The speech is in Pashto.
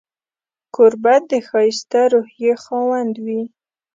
کوربه د ښایسته روحيې خاوند وي.